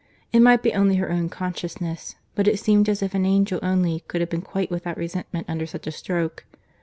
—It might be only her own consciousness; but it seemed as if an angel only could have been quite without resentment under such a stroke.